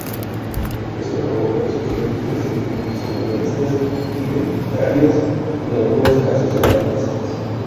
Esto provocó el surgimiento de sentimientos autonomistas, identitarios y en algunos casos separatistas.